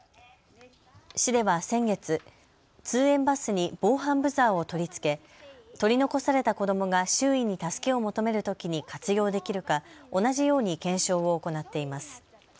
市では先月、通園バスに防犯ブザーを取り付け取り残された子どもが周囲に助けを求めるときに活用できるか同じように検証を行っています。